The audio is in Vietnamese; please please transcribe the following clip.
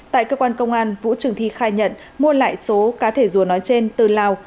tại cơ quan công an vũ trường thi khai nhận mua lại số cá thể rùa nói trên từ lào